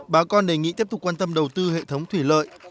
bà con đề nghị tiếp tục quan tâm đầu tư hệ thống thủy lợi